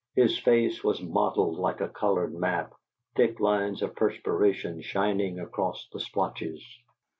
His face was mottled like a colored map, thick lines of perspiration shining across the splotches.